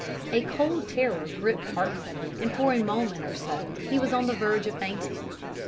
A cold terror gripped Hartnoll, and for a moment or so he was on the verge of fainting.